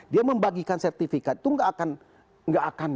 dia membagikan sertifikat itu gak akan